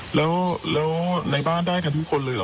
อ๋อหรอแล้วแล้วในบ้านได้กันทุกคนเลยหรอ